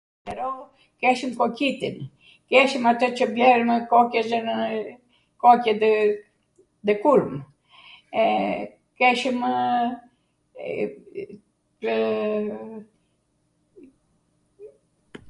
atw qero keshwm koqitin, keshwm atw qw bjerrnw koqet nw, koqetw nw kurm, keshwmw...